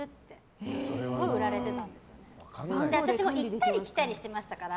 私も行ったり来たりをしてましたから。